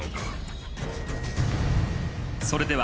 それでは。